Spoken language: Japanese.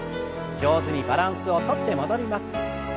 上手にバランスをとって戻ります。